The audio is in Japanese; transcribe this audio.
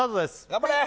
頑張れ！